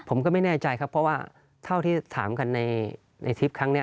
ผมก็ไม่แน่ใจครับเพราะว่าเท่าที่ถามกันในทริปครั้งนี้